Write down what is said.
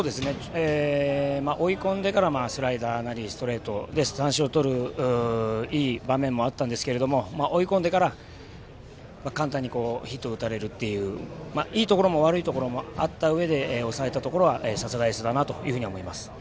追い込んでからスライダーなりストレートで三振をとるいい場面もあったんですけども追い込んでから簡単にヒットを打たれるといういいところも悪いところもあった上で抑えたところは、さすがエースだなと思います。